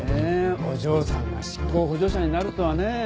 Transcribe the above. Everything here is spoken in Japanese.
お嬢さんが執行補助者になるとはねえ。